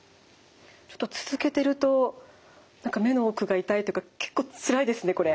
ちょっと続けてると何か目の奥が痛いというか結構つらいですねこれ。